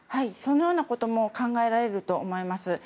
そのようなことも考えられると思います。